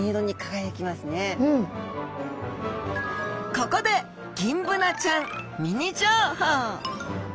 ここでギンブナちゃんミニ情報！